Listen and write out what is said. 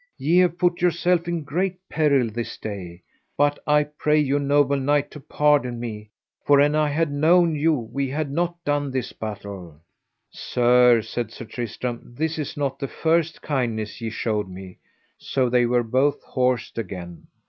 ye have put yourself in great peril this day; but I pray you noble knight to pardon me, for an I had known you we had not done this battle. Sir, said Sir Tristram, this is not the first kindness ye showed me. So they were both horsed again.